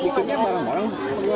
ini bikinnya bareng bareng